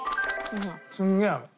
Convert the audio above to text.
すげえ合う。